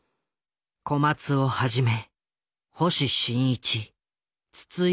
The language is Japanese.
小松をはじめ星新一筒井